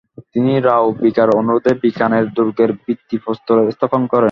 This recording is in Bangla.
তিনি রাও বিকার অনুরোধে বিকানের দুর্গের ভিত্তিপ্রস্তর স্থাপন করেন।